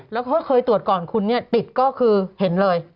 แล้วก็เคยตรวจก่อนคุณเนี่ยติดก็คือเห็นเลย